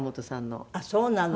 あっそうなの。